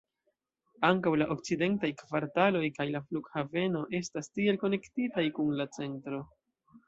Ankaŭ la okcidentaj kvartaloj kaj la flughaveno estas tiel konektitaj kun la centro.